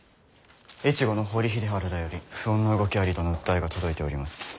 越後の堀秀治らより不穏の動きありとの訴えが届いております。